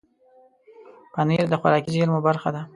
پنېر د خوراکي زېرمو برخه ده.